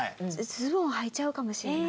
ズボンはいちゃうかもしれない。